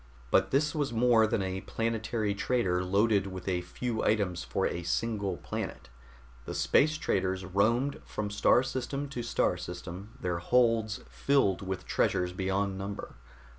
But this was more than a planetary trader loaded with a few items for a single planet. The space traders roamed from star system to star system, their holds filled with treasures beyond number.